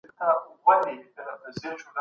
سرچينې د اقتصاد په پياوړتيا کې مرسته کوي.